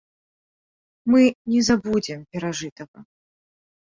Мы не забудзем перажытага.